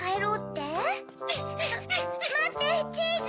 まってチーズ！